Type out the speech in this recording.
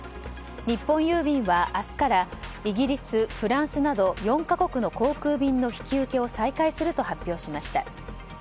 日本郵便は明日からイギリス、フランスなど４か国の航空便の引き受けを再開すると発表しました。